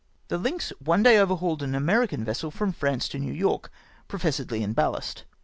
The Lynx one day overhauled an American vessel from France to New York, professedly in ballast.